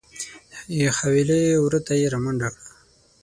د حویلۍ وره ته یې رامنډه کړه .